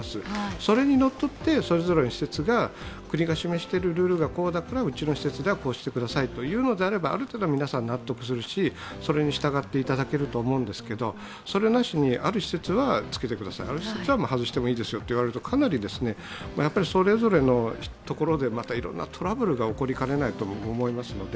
それに則ってそれぞれの施設が、国が示しているルールがこうだからうちの施設がこうしてくださいというのであれば、ある程度皆さん納得するしそれに従っていただけると思うんですけど、それなしにある施設は着けてくださいある施設は外してもいいですよといわれるとそれぞれのところでいろんなトラブルが起こりかねないと思います。